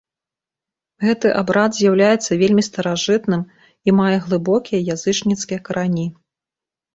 Гэты абрад з'яўляецца вельмі старажытным і мае глыбокія язычніцкія карані.